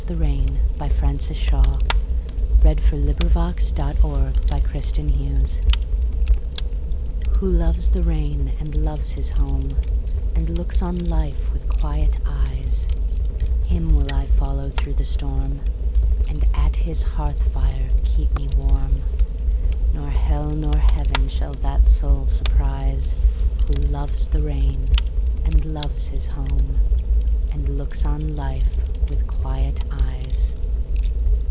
The New Poetry: An Anthology. 1917. Who Loves the Rain By Frances Shaw WHO loves the rainAnd loves his home, And looks on life with quiet eyes, Him will I follow through the storm; And at his hearth fire keep me warm; Nor hell nor heaven shall that soul surprise, Who loves the rain, And loves his home, And looks on life with quiet eyes.